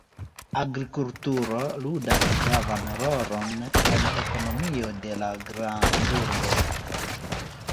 Agrikulturo ludas gravan rolon en ekonomio de la grandurbo.